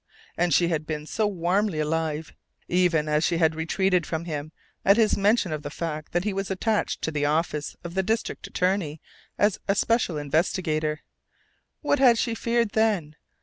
And she had been so warmly alive, even as she had retreated from him at his mention of the fact that he was attached to the office of the district attorney as a special investigator. What had she feared then?